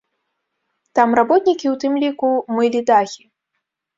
Там работнікі у тым ліку мылі дахі.